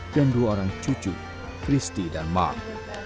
dan dua orang cucu christy dan mark